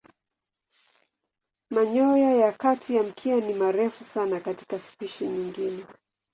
Manyoya ya kati ya mkia ni marefu sana katika spishi nyingine.